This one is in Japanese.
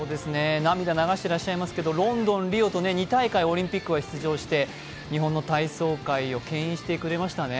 涙流していらっしゃいますけど、ロンドン、リオとオリンピックは出場して日本の体操界をけん引してくれましたね。